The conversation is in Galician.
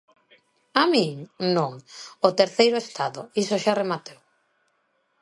A min, ¿non?, o terceiro estado, iso xa rematou.